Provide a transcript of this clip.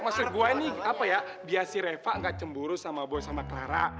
eh maksud gue nih apa ya dia si reva gak cemburu sama boy sama clara